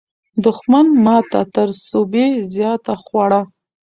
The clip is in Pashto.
دښمن ماته تر سوبې زیاته خوړه.